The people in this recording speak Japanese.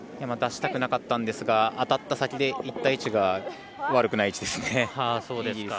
出したくなかったんですが当たった先でいった位置が悪くない位置です。